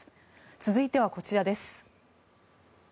続いてはこちらです。